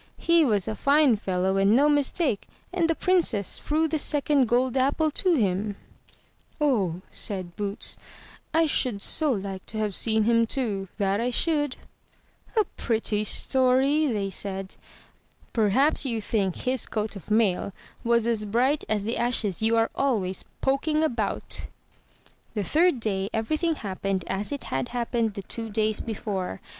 He was a fine fellow and no mistake; and the Princess threw the second gold apple to him." 60 THROUGH FAIRY HALLS VU 6i MY BOOK HOUSE "Oh!" said Bcx)ts, "I should so like to have seen him too, that I should." '*A pretty story!" they said. "Perhaps you think his coat of mail was as bright as the ashes you are always poking about!" The third day everything happened as it had happened the two days before.